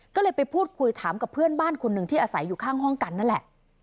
ก็เลยไปพูดคุยถามกับเพื่อนบ้านคนหนึ่งที่อาศัยอยู่ข้างห้องกันนั่นแหละ